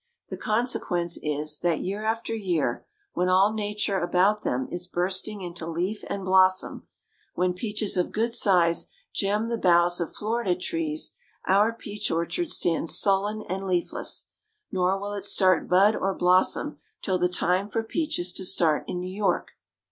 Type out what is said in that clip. The consequence is, that year after year, when all nature about them is bursting into leaf and blossom, when peaches of good size gem the boughs of Florida trees, our peach orchard stands sullen and leafless; nor will it start bud or blossom till the time for peaches to start in New York.